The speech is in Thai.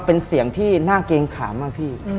เป็นเสียงที่น่าเกรงขามมากพี่